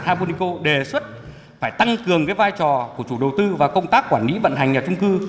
haponiko đề xuất phải tăng cường vai trò của chủ đầu tư và công tác quản lý vận hành nhà trung cư